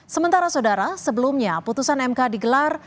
sementara saudara sebelumnya putusan mk digelar